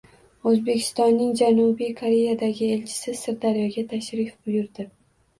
O‘zbekistonning Janubiy Koreyadagi elchisi Sirdaryoga tashrif buyurdi